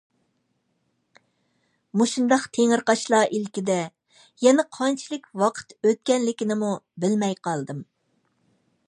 مۇشۇنداق تېڭىرقاشلار ئىلكىدە يەنە قانچىلىك ۋاقىت ئۆتكەنلىكىنىمۇ بىلەلمەي قالدىم.